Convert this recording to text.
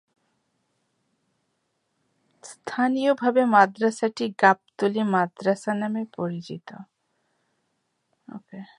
স্থানীয়ভাবে মাদ্রাসাটি গাবতলী মাদ্রাসা নামে পরিচিত।